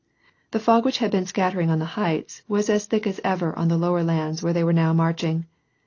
The fog which had been scattering on the heights, was as thick as ever on the lower lands where they were now marching.